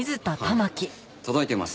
ああ届いてます。